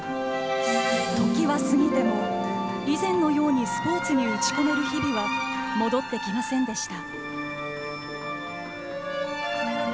ときは過ぎても、以前のようにスポーツに打ち込める日々は戻ってきませんでした。